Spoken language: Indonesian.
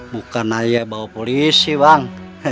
bukan hanya bawa polisi bang